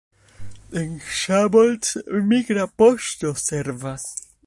En Szabolcs migra poŝto servas.